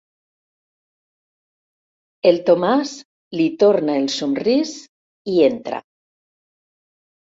El Tomàs li torna el somrís i entra.